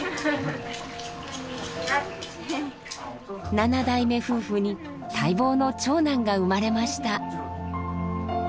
七代目夫婦に待望の長男が生まれました。